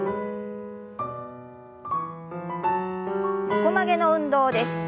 横曲げの運動です。